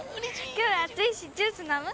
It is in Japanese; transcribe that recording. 今日は暑いしジュース飲む？